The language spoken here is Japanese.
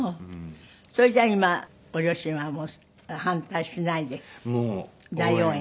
それじゃあ今ご両親はもう反対しないで大応援？